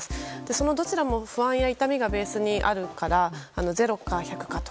そのどちらも不安や痛みがベースにあるから白か黒かで